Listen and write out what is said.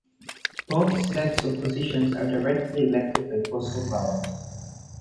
Both sets of positions are directly elected by postal ballot.